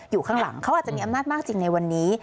อยู่ข้างหลังเขาอาจจะมีอำนาจมากจริงในวันนี้